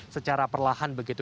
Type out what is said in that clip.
secara perlahan begitu